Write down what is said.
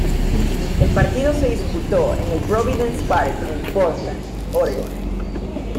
El partido se disputó en el Providence Park en Portland, Oregón.